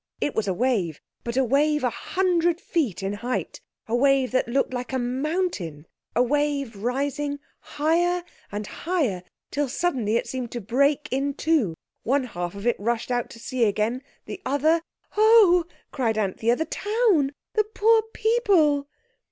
It was a wave, but a wave a hundred feet in height, a wave that looked like a mountain—a wave rising higher and higher till suddenly it seemed to break in two—one half of it rushed out to sea again; the other— "Oh!" cried Anthea, "the town—the poor people!"